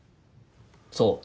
そう。